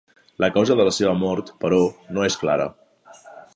La causa de la seva mort, però, no és clara.